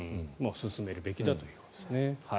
進めるべきだということですね。